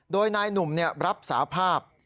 โดยนายหนุ่มเนี่ยรับสาภาพ